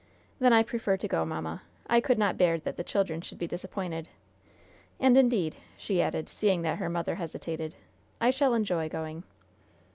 "Then I prefer to go, mamma. I could not bear that the children should be disappointed. And, indeed," she added, seeing that her mother hesitated, "I shall enjoy going."